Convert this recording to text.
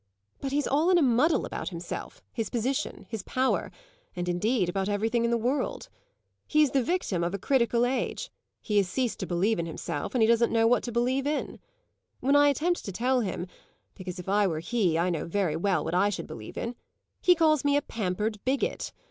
But he's all in a muddle about himself, his position, his power, and indeed about everything in the world. He's the victim of a critical age; he has ceased to believe in himself and he doesn't know what to believe in. When I attempt to tell him (because if I were he I know very well what I should believe in) he calls me a pampered bigot.